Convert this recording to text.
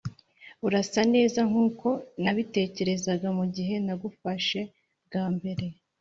urasa neza nkuko nabitekerezaga mugihe nagufashe bwa mbere.